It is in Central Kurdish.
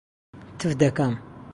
تف دەکەم.